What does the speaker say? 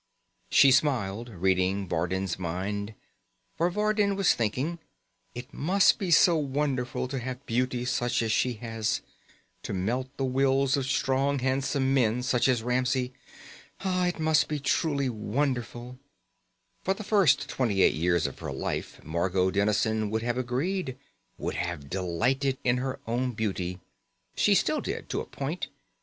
She smiled, reading Vardin's mind. For Vardin was thinking: it must be so wonderful to have beauty such as she has, to melt the wills of strong handsome men such as Ramsey. It must be truly wonderful. For the first twenty eight years of her life, Margot Dennison would have agreed, would have delighted in her own beauty. She still did, to a point.